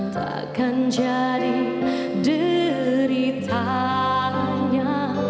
takkan jadi deritanya